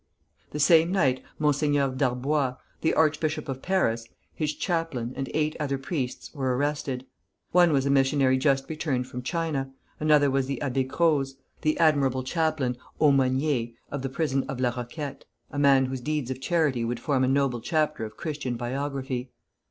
The same night Monseigneur Darboy, the archbishop of Paris, his chaplain, and eight other priests, were arrested. One was a missionary just returned from China, another was the Abbé Crozes, the admirable chaplain (aumônier) of the prison of La Roquette, a man whose deeds of charity would form a noble chapter of Christian biography.